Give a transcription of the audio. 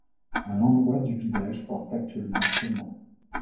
Un endroit du village porte actuellement ce nom.